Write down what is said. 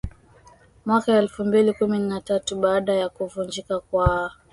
mwaka elfu mbili kumi na tatu baada ya kuvunjika kwa